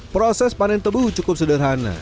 proses panen tebu cukup sederhana